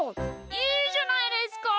いいじゃないですか。